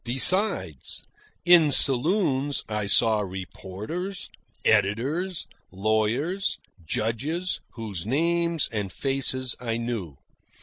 Besides, in saloons I saw reporters, editors, lawyers, judges, whose names and faces I knew.